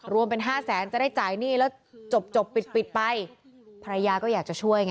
รวมเป็นห้าแสนจะได้จ่ายหนี้แล้วจบจบปิดปิดไปภรรยาก็อยากจะช่วยไง